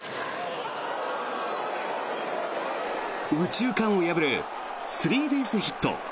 右中間を破るスリーベースヒット。